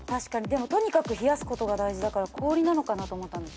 でもとにかく冷やすことが大事だから氷なのかなと思った。